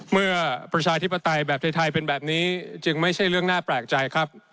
ประชาธิปไตยแบบไทยเป็นแบบนี้จึงไม่ใช่เรื่องน่าแปลกใจครับ